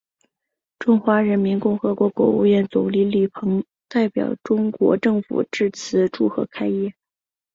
中华人民共和国国务院总理李鹏代表中国政府致词祝贺开业。